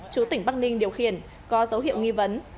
chú tỉnh bắc ninh điều khiển có dấu hiệu nghi vấn